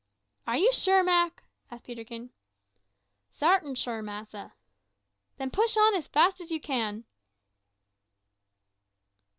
"Are you sure, Mak?" asked Peterkin. "Sartin sure, massa." "Then push on as fast as you can."